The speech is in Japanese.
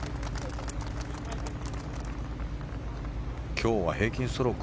今日は平均ストローク